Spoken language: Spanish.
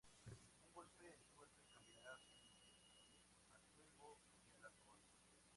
Un golpe de suerte cambiará sus vidas: al juego y al alcohol.